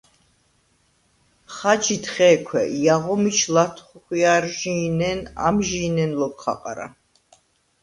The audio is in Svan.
ხაჯიდ ხე̄ქვე: ჲაღო მიჩ ლათხვიარჟი̄ნენ ამჟი̄ნენ ლოქ ხაყრა.